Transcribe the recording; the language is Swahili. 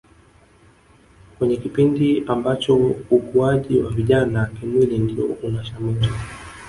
Kwenye kipindi ambacho ukuwaji wa vijana kimwili ndio unashamiri